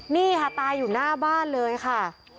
นี่ค่ะตายอยู่หน้าบ้านเลยค่ะ